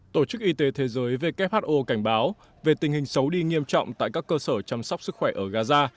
tổ chức y tế thế giới who cảnh báo về tình hình xấu đi nghiêm trọng tại các cơ sở chăm sóc sức khỏe ở gaza